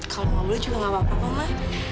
kalau mau boleh juga gak apa apa ma